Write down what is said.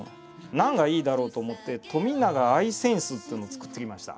何がいいだろうと思ってっていうのを作ってきました。